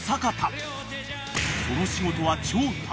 ［その仕事は］